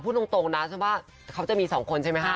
พูดตรงนะฉันว่าเขาจะมี๒คนใช่ไหมคะ